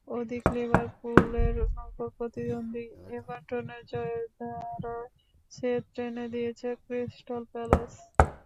ওদিকে লিভারপুলের নগর প্রতিদ্বন্দ্বী এভারটনের জয়ের ধারায় ছেদ টেনে দিয়েছে ক্রিস্টাল প্যালেস।